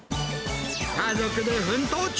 家族で奮闘中！